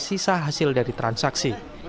sisa hasil dari transaksi